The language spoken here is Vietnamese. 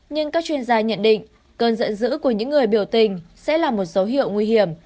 nhưng các chuyên gia nhận định cơn giận dữ của những người biểu tình sẽ là một dấu hiệu nguy hiểm